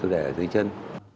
để thấy chân